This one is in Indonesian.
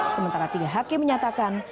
sementara tiga hakim menyatakan